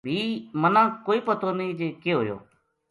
بھی منا کوئی پتو نیہہ جے کے ہویو